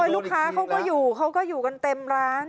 ลูกค้าเขาก็อยู่เขาก็อยู่กันเต็มร้าน